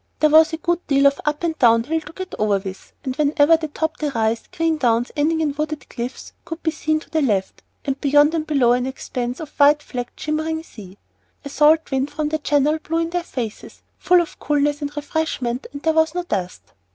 There was a good deal of up and down hill to get over with, and whenever they topped a rise, green downs ending in wooded cliffs could be seen to the left, and beyond and below an expanse of white flecked shimmering sea. A salt wind from the channel blew in their faces, full of coolness and refreshment, and there was no dust.